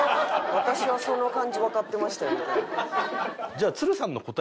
私はその感じわかってましたよみたいな。